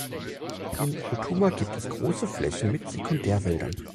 In Rotuma gibt es große Flächen mit Sekundärwäldern.